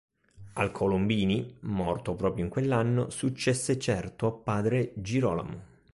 Al Colombini, morto proprio in quell'anno, successe certo padre Girolamo.